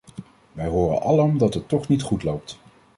Wij horen alom dat het toch niet goed loopt.